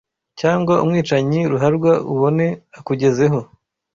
cyangwa umwicanyi ruharwa ubone akugezeho